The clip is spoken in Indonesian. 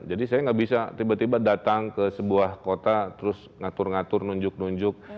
saya nggak bisa tiba tiba datang ke sebuah kota terus ngatur ngatur nunjuk nunjuk